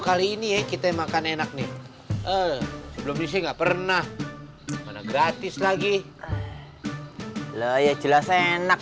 dulu kali ini kita makan enak nih sebelum isi enggak pernah mana gratis lagi lo ya jelas enak